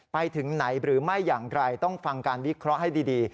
ไปถึงไหนหรือไม่อย่างไรต้องฟังการวิเคราะห์ให้ดี